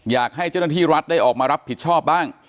อยากให้เจ้าหน้าที่รัฐได้ออกมารับผิดชอบบ้าง